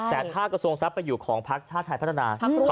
แต่ถ้ากระทรวงทรัพย์ไปอยู่ของพักชาติไทยพัฒนา